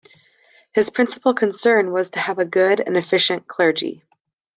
His principal concern was to have a good and efficient clergy.